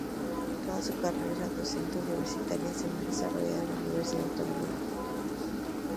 Toda su carrera docente universitaria se ha desarrollado en la Universidad Autónoma de Madrid.